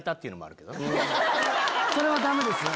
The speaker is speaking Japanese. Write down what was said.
それはダメですよ。